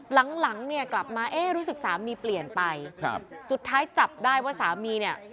หลังเนี่ยกลับมารู้สึกสามีเปลี่ยนไปสุดท้ายจับได้ว่าสามีเนี่ย